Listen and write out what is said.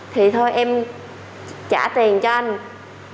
thì thôi em trả tiền cho anh